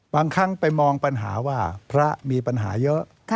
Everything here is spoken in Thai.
ครั้งไปมองปัญหาว่าพระมีปัญหาเยอะ